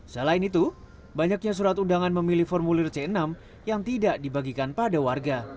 selain itu banyaknya surat undangan memilih formulir c enam yang tidak dibagikan pada warga